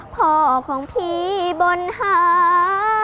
พ่อของพี่บนหา